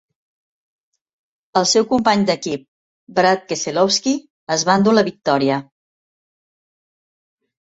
El seu company d'equip, Brad Keselowski, es va endur la victòria.